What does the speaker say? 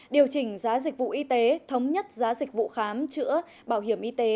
điều chỉnh giá dịch vụ y tế thống nhất giá dịch vụ khám chữa bảo hiểm y tế